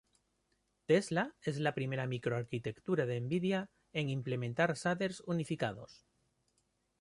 Tesla es la primera micro arquitectura de Nvidia en implementar shaders unificados.